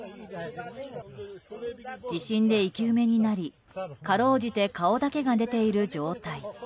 地震で生き埋めになりかろうじて顔だけが出ている状態。